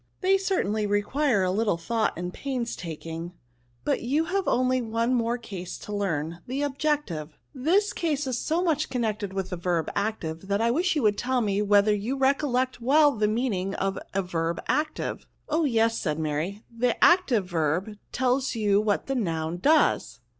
' They certainly require a little thought and pains taking; but you have only one more case to learn, the Objective, This case is so much connected with the verb active, that I wish you would tell me, whether you recollect well the meaning of a verb active ?KOUNS. 145 Oh yes," said Mary, " the active verb tells you what the noun does.